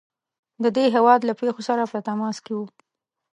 د دې هیواد له پیښو سره په تماس کې وو.